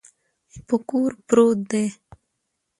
په کور پروت دی.